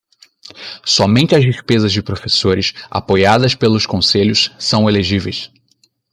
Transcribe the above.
Somente as despesas de professores apoiadas pelos conselhos são elegíveis.